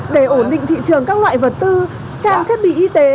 để ổn định thị trường các loại vật tư trang thiết bị y tế